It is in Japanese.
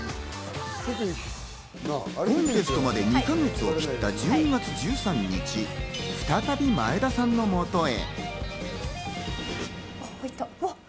コンテストまで２か月を切った１２月１３日、再び前田さんの元へ。